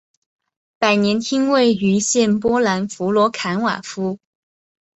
百年厅位于现波兰弗罗茨瓦夫。